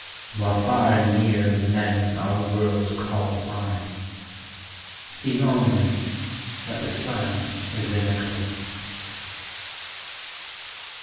While far and near the men our world call wise See only that the Sun is in eclipse.